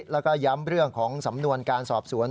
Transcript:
แล้วก็ย้ำเรื่องของสำนวนการสอบสวน